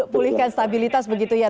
pulihkan stabilitas begitu ya